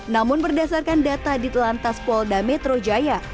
namun berdasarkan data ditelan tas polda metro jaya